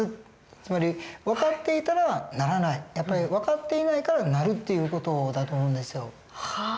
つまり分かっていたらならない分かっていないからなるっていう事だと思うんですよ。